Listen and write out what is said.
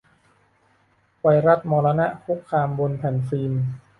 ไวรัสมรณะ คุกคามบนแผ่นฟิล์ม